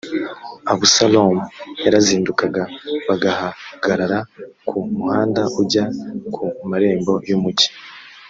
abusalomu yarazindukaga b agahagarara ku muhanda ujya ku marembo y umugi